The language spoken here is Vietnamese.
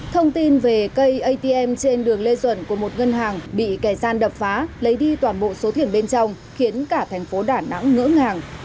thông tin về cây atm trên đường lê duẩn của một ngân hàng bị kẻ gian đập phá lấy đi toàn bộ số thuyền bên trong khiến cả thành phố đà nẵng ngỡ ngàng